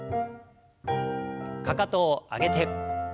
かかとを上げて。